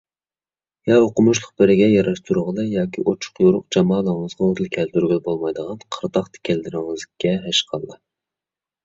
يا ئوقۇمۇشلۇق بىرىگە ياراشتۇرغىلى ياكى ئوچۇق - يورۇق جامالىڭىزغا ئۇدۇل كەلتۈرگىلى بولمايدىغان قىرتاق تىلەكلىرىڭىزگە ھەشقاللا!